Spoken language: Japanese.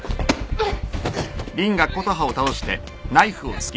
あっ！